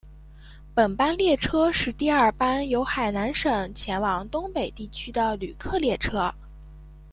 本班列车是第二班由海南省前往东北地区的旅客列车。